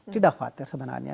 tidak khawatir sebenarnya